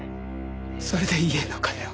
それで家の金を。